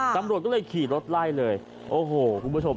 ตำรวจก็เลยขี่รถไล่เลยโอ้โหคุณผู้ชม